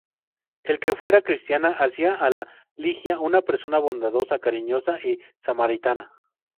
El que fuera cristiana hacía a Ligia una persona bondadosa, cariñosa, y samaritana.